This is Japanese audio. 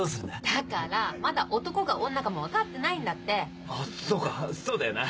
だからまだ男か女かも分かってないんあっそうかそうだよな！